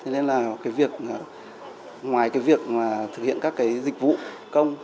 nên là ngoài việc thực hiện các dịch vụ công